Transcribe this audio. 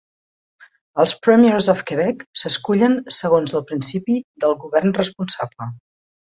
Els Premiers of Quebec s'escullen segons el principi del govern responsable.